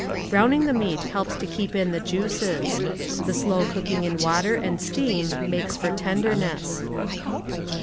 Browning the meat lieljjs to keep in the juices. The slow cooking in water and steam inakci tor t( iKJcrness.